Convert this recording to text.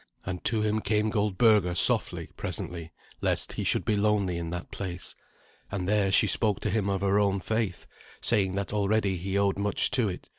And to him came Goldberga softly, presently, lest he should be lonely in that place. And there she spoke to him of her own faith, saying that already he owed much to it.